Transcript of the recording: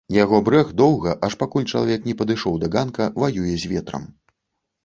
Яго брэх доўга, аж пакуль чалавек не падышоў да ганка, ваюе з ветрам.